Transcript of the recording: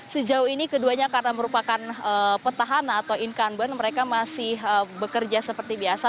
sejauh ini keduanya karena merupakan petahana atau incumbent mereka masih bekerja seperti biasa